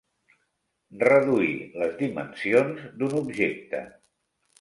Reduir les dimensions d'un objecte.